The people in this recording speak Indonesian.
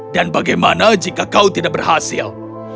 dan bagaimana jika kau tidak berhasil